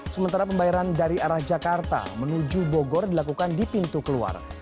sementara pembayaran dari arah jakarta menuju bogor dilakukan di pintu keluar